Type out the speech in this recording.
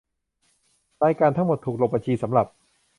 รายการทั้งหมดถูกลงบัญชีสำหรับ